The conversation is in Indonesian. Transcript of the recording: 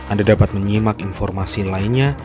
anda dapat menyimak informasi lainnya